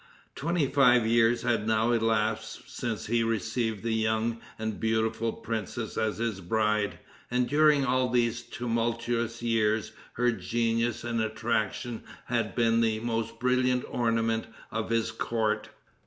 Twenty five years had now elapsed since he received the young and beautiful princess as his bride, and during all these tumultuous years her genius and attractions had been the most brilliant ornament of his court.